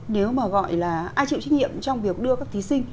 nếu mà gọi là ai chịu trách nhiệm trong việc đưa các thí sinh